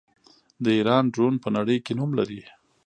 د ایران ډرون په نړۍ کې نوم لري.